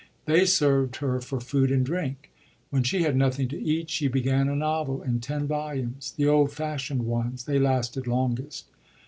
They served her for food and drink. When she had nothing to eat she began a novel in ten volumes the old fashioned ones; they lasted longest.